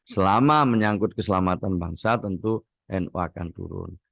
selama menyangkut keselamatan bangsa tentu nu akan turun